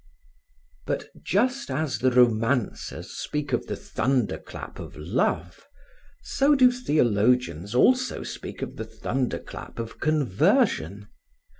But just as the romancers speak of the thunderclap of love, so do theologians also speak of the thunderclap of conversion.